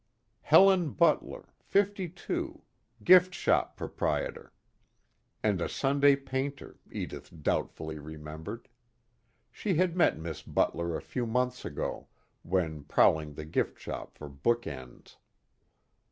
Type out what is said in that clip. Helen Butler, fifty two, gift shop proprietor. And a Sunday painter, Edith doubtfully remembered. She had met Miss Butler a few months ago, when prowling the gift shop for book ends.